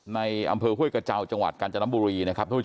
ในอำเภาเฮ้ยกระจาวจังหวัดกรรจนบุรี